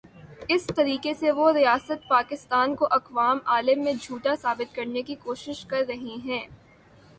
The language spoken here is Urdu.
اس طریقے سے وہ ریاست پاکستان کو اقوام عالم میں جھوٹا ثابت کرنے کی کوشش کررہے ہیں۔